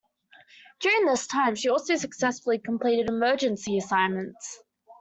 During this time she also successfully completed emergency assignments.